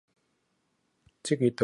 這把刀子非常銳利